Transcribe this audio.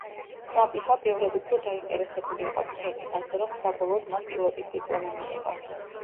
საბიჰა ბევრად უფრო დაინტერესებული იყო ფრენით, ასე რომ, საბოლოოდ მან პილოტის დიპლომი მიიღო.